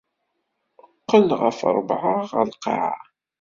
Qqel ɣef rebεa ɣer lqaεa!